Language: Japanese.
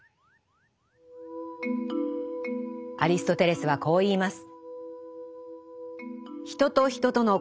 アリストテレスはこう言います。